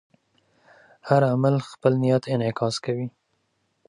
هر عمل خپل نیت انعکاس کوي.